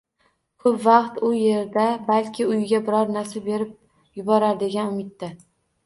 Ko'p vaqt u yerda «balki uyiga biror narsa berib yuborar», degan umidda